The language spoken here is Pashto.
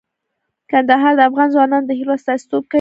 کندهار د افغان ځوانانو د هیلو استازیتوب کوي.